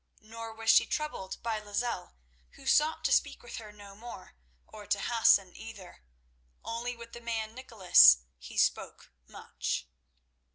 Nor was she troubled by Lozelle, who sought to speak with her no more, or to Hassan either. Only with the man Nicholas he spoke much.